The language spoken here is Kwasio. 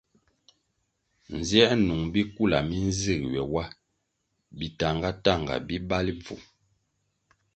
Nziē nung bikula mi nzig ywe wa bi tahnga- tahnga bi bali bvu.